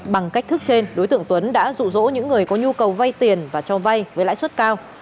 bằng cách thức trên đối tượng tuấn đã rụ rỗ những người có nhu cầu vay tiền và cho vay với lãi suất cao